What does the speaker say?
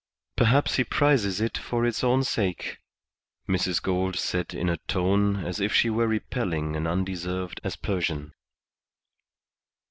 "Perhaps he prizes it for its own sake," Mrs. Gould said in a tone as if she were repelling an undeserved aspersion.